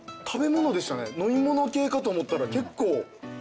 飲み物系かと思ったら結構。